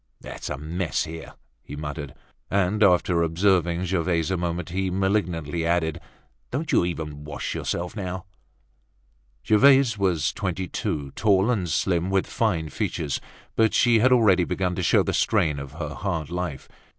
"It's a mess here!" he muttered. And after observing Gervaise a moment, he malignantly added: "Don't you even wash yourself now?" Gervaise was twenty two, tall and slim with fine features, but she was already beginning to show the strain of her hard life.